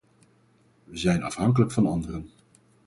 We zijn afhankelijk van anderen.